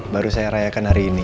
baru saya rayakan hari ini